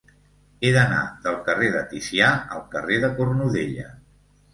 He d'anar del carrer de Ticià al carrer de Cornudella.